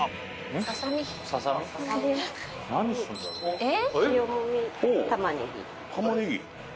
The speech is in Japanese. えっ？